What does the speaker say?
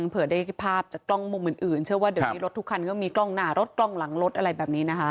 เผื่อได้ภาพจากกล้องมุมอื่นเชื่อว่าเดี๋ยวนี้รถทุกคันก็มีกล้องหน้ารถกล้องหลังรถอะไรแบบนี้นะคะ